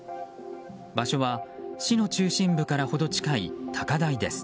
場所は、市の中心部から程近い高台です。